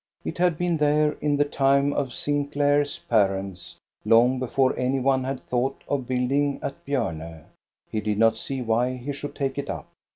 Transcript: It had been there in the time of Sinclair's parents, long before any one had thought of building at Bjorne. He did not see why he should take it up.